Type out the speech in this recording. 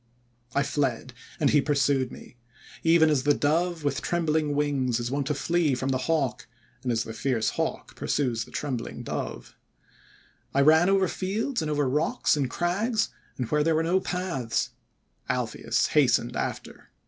"I fled, and he pursued me; even as the Dove with trembling wings is wont to flee from the Hawk, and as the fierce Hawk pursues the trembling Dove. "I ran over fields and over rocks and crags, and where there were no paths. Alpheus hastened after.